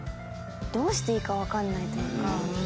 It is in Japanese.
どうしていいか分かんないというか。